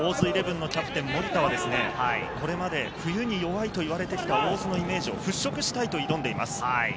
イレブンのキャプテン・森田は、これまで冬に弱いといわれてきた大津のイメージを払拭したいと挑んでいます。